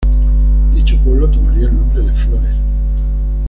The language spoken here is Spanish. Dicho pueblo tomaría el nombre de Flores.